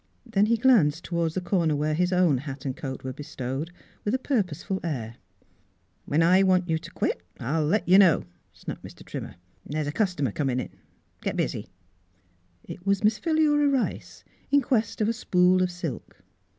Then he glanced toward the corner where his own hat and coat were bestowed, with a purposeful air. " When I want you t' quit I'll let you know," snapped Mr. Trimmer. " There's a customer comin' in. Git busy 1 " It was Miss Philura Rice in quest of a spool of silk.